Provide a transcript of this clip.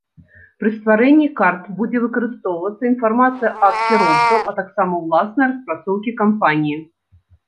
Пры стварэнні карт будзе выкарыстоўвацца інфармацыя ад кіроўцаў, а таксама ўласныя распрацоўкі кампаніі.